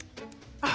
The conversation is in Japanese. あっ！